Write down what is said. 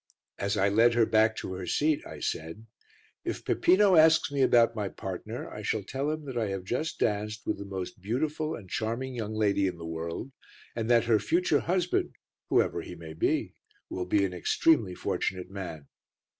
As I led her back to her seat, I said, "If Peppino asks me about my partner, I shall tell him that I have just danced with the most beautiful and charming young lady in the world, and that her future husband, whoever he may be, will be an extremely fortunate man."